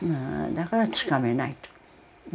だからつかめないと。